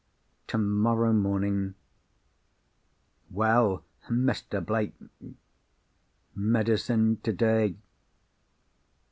tomorrow morning ... Well, Mr. Blake ... medicine today